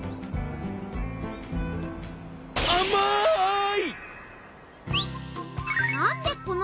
あまい！